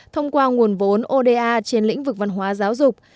thông qua nguồn vốn oda trên lĩnh vực văn hóa giáo dục